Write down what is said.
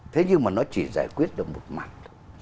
thế nhưng mà nó chỉ giải quyết được một mặt